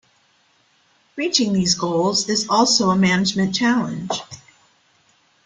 Reaching these goals is also a management challenge.